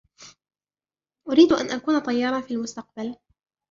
أريد أن أكون طيارا في المستقبل.